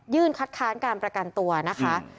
ยื่นคัดค้านการประการตัวนะคะ